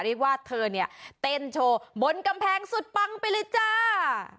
เรียกว่าเธอเนี่ยเต้นโชว์บนกำแพงสุดปังไปเลยจ้า